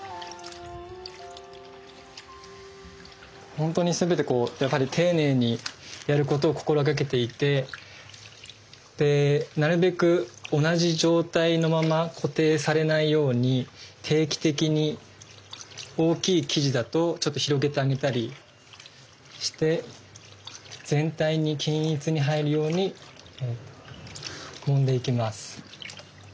本当にすべてこうやっぱり丁寧にやることを心がけていてでなるべく同じ状態のまま固定されないように定期的に大きい生地だとちょっと広げてあげたりして全体に均一に入るようにもんでいきます。